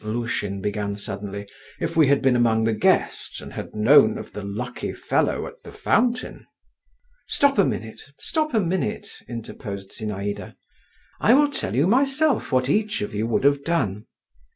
Lushin began suddenly, "if we had been among the guests, and had known of the lucky fellow at the fountain?" "Stop a minute, stop a minute," interposed Zinaïda, "I will tell you myself what each of you would have done.